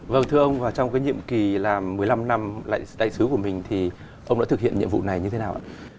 vâng thưa ông trong cái nhiệm kỳ làm một mươi năm năm đại sứ của mình thì ông đã thực hiện nhiệm vụ này như thế nào ạ